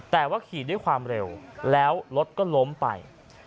แต่ว่าขี่ด้วยความเร็วแล้วรถก็ล้มไป